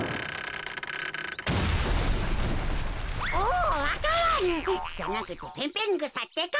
おわか蘭じゃなくてペンペングサってか。